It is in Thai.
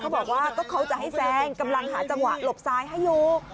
บอกว่าก็เขาจะให้แซงกำลังหาจังหวะหลบซ้ายให้อยู่